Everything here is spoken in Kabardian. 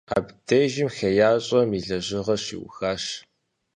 Абдежым хеящӀэм и лэжьыгъэр щиухащ.